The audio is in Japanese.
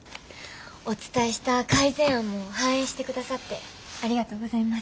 お伝えした改善案も反映してくださってありがとうございます。